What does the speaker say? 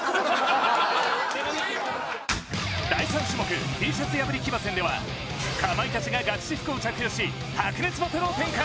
第３種目Ｔシャツ破り騎馬戦ではかまいたちがガチ私服を着用し白熱バトルを展開